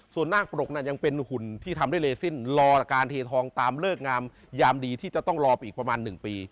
ส่วนนาคปรกนั้นยังเป็นหุ่นที่ทำด้วยเลสิ้นรอการเททองตามเลิกงามยามดีที่จะต้องรอไปอีกประมาณ๑ปี